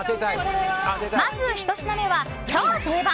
まず、１品目は超定番！